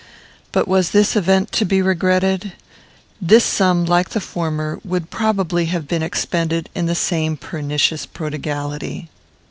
But was this event to be regretted? This sum, like the former, would probably have been expended in the same pernicious prodigality.